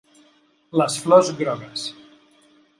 Les flors grogues.